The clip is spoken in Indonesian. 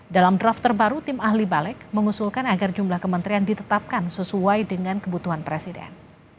dalam draft terbaru tim ahli balik mengusulkan agar jumlah kementerian ditetapkan sesuai dengan kebutuhan presiden